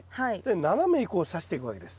斜めにこうさしていくわけです。